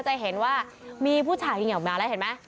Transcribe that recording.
จะเห็นว่ามีผู้ชายยิงออกมาแล้วเห็นไหม